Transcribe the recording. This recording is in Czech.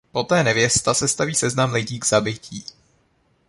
Poté Nevěsta sestaví seznam lidí k zabití.